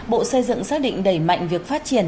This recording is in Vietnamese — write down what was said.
bộ xây dựng xác định đẩy mạnh việc phát triển